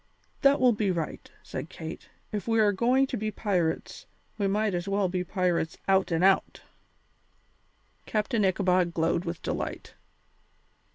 "That will be right," said Kate; "if we're going to be pirates, we might as well be pirates out and out." Captain Ichabod glowed with delight.